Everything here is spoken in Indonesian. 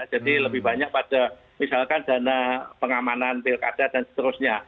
jadi lebih banyak pada misalkan dana pengamanan pilkada dan seterusnya